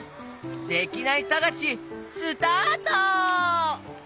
できないさがしスタート！